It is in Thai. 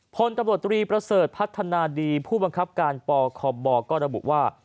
พลตำรวจตรีประเสริฐพัฒนาดีผู้บังคับการปคบก็ระบุว่า